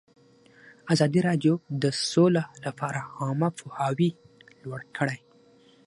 ازادي راډیو د سوله لپاره عامه پوهاوي لوړ کړی.